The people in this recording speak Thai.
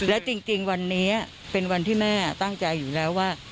และจริงวันนี้เป็นวันที่แม่ตั้งใจอยู่แล้วว่า